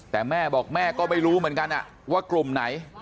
แต่แม่บอกแม่ก็ไม่รู้เหมือนกันว่ากลุ่มไหน